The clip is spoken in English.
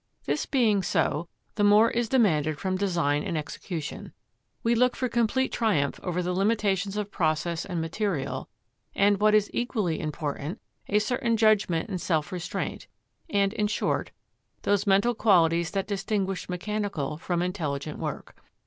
This being so, the more is demanded from design and execution: we look for complete triumph over the limitations of process and material, and, what is equally important, a certain judgment and self restraint; and, in short, those mental qualities that distinguish mechanical from intelligent work.